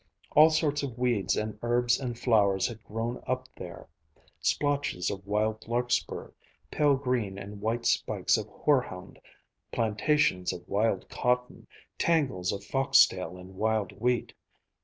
All sorts of weeds and herbs and flowers had grown up there; splotches of wild larkspur, pale green and white spikes of hoarhound, plantations of wild cotton, tangles of foxtail and wild wheat.